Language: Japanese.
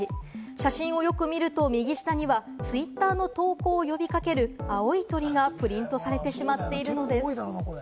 写真をよく見ると右下にはツイッターの投稿を呼び掛ける青い鳥がプリントされてしまっているんです。